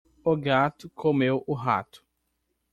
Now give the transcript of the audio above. O gato comeu o rato.